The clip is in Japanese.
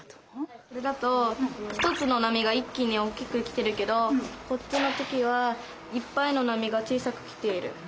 これだと１つの波が一気に大きく来てるけどこっちの時はいっぱいの波が小さく来ている。